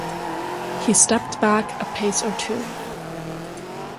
He stepped back a pace or two.